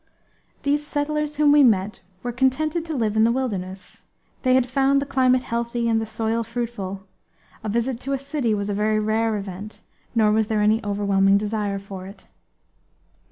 These settlers whom we met were contented to live in the wilderness. They had found the climate healthy and the soil fruitful; a visit to a city was a very rare event, nor was there any overwhelming desire for it.